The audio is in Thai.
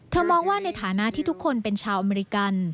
มองว่าในฐานะที่ทุกคนเป็นชาวอเมริกัน